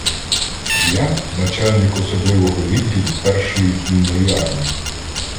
Я — начальник особливого відділу Першої кінної армії.